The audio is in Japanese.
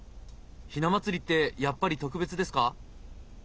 ひな祭りってやっぱり特別ですか？